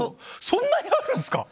そんなにあるんすか！